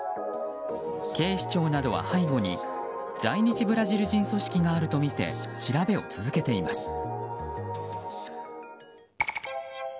警視庁などは背後に在日ブラジル人組織があるとみて調べを続けています。